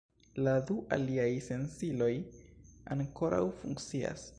La du aliaj sensiloj ankoraŭ funkcias.